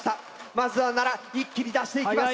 まずは奈良一気に出していきます。